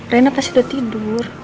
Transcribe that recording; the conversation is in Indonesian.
reina pasti udah tidur